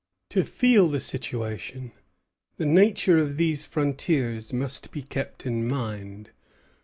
To feel the situation, the nature of these frontiers must be kept in mind.